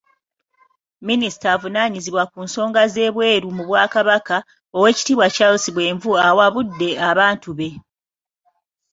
Minisita avunaanyzibwa ku nsonga ez'ebweru mu Bwakabaka, oweekitiibwa Charles Bwenvu awabudde abantu be.